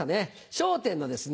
『笑点』のですね